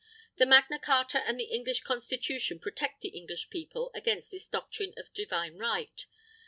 The Magna Carta and the English Constitution protect the English People against this doctrine of "divine right."